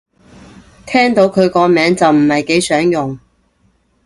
聽到佢個名就唔係幾想用